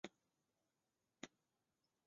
基舒纽姆。